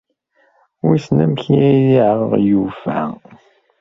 Wissen amek i aɣ-yufa ?